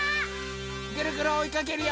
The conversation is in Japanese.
ぐるぐるおいかけるよ！